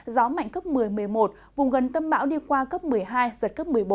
gió mạnh cấp một mươi một mươi một vùng gần tâm bão đi qua cấp một mươi hai giật cấp một mươi bốn